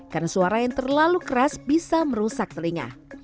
karena suara yang terlalu keras bisa merusak telinga